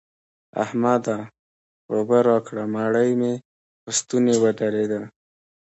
احمده! اوبه راکړه؛ مړۍ مې په ستونې ودرېده.